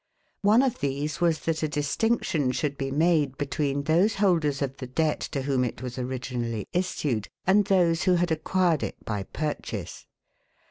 One of these was that a distinction should be made between those holders of the debt to whom it was originally issued and those who had acquired it by purchase.